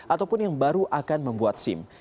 ataupun yang baru akan membuat sim